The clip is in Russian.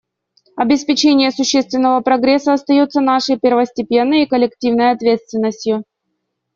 Обеспечение существенного прогресса остается нашей первостепенной и коллективной ответственностью.